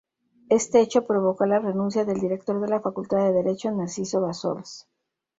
Este hecho provocó la renuncia del director de la Facultad de Derecho, Narciso Bassols.